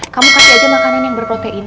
kamu kasih aja makanan yang berprotein